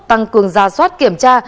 tăng cường gia soát kiểm tra